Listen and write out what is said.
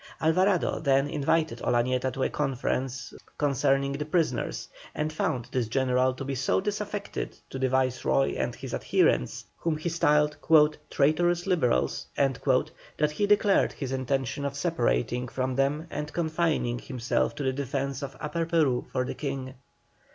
Alvarado then invited Olañeta to a conference concerning the prisoners, and found this general to be so disaffected to the Viceroy and his adherents, whom he styled "traitorous Liberals," that he declared his intention of separating from them and confining himself to the defence of Upper Peru for the King.